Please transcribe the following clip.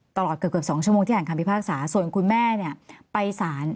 ตลอดเกือบ๒ชั่วโมงที่อ่านคำพิพากษาส่วนคุณแม่เนี่ยไปสาร